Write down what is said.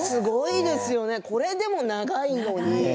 これでも長いのに？